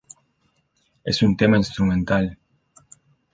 Es un tema instrumental.